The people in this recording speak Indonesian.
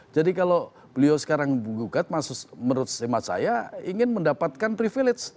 jadi kalau beliau sekarang gugat menurut semata saya ingin mendapatkan privilege